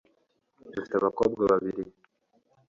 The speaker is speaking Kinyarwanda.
dufite abakobwa babiri